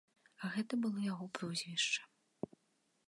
Гэта было яго прозвішча.